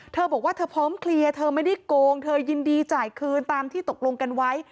เธอบอกว่าเธอพร้อมเคลียร์เธอไม่ได้โกงเธอยินดีจ่ายคืนตามที่ตกลงกันไว้